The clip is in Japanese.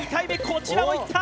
こちらもいった！